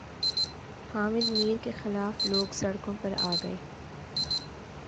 حامد میر کے خلاف لوگ سڑکوں پر آگۓ